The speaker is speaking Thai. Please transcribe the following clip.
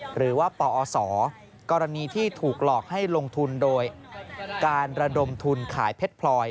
หรือว่าปอศกรณีที่ถูกหลอกให้ลงทุนโดยการระดมทุนขายเพชรพลอย